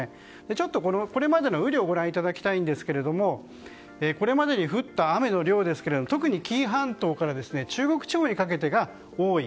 ちょっとこれまでの雨量をご覧いただきたいんですけどもこれまでに降った雨の量ですが特に紀伊半島から中国地方にかけてが多い。